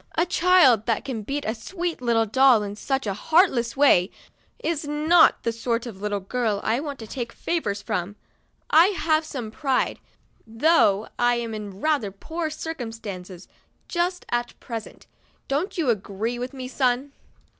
"A child that can beat a sweet little doll in such a heartless way is not the sort of little girl I want to take favors from. I have some pride, though I am in rather poor 64 THURSDAY— SPANKED circumstances just at present. Don't you agree with me, son